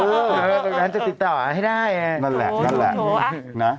เออมันจะติดต่อให้ได้นั่นแหละนั่นแหละโอ้โฮโอ้โฮอ่ะนะ